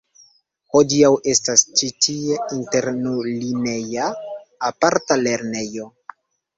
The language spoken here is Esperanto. Hodiaŭ estas ĉi tie internulineja aparta lernejo.